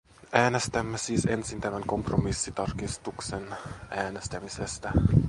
Äänestämme siis ensin tämän kompromissitarkistuksen äänestämisestä.